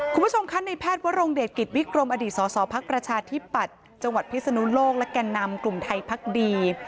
คุณผู้ชมคะในแพทย์วรงเดชกิจวิกรมอดีตสสพักประชาธิปัตย์จังหวัดพิศนุโลกและแก่นำกลุ่มไทยพักดี